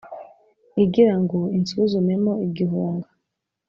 Igira ngo insuzumemo igihunga.